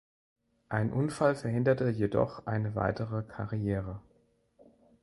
Ein Unfall verhinderte jedoch eine weitere Karriere.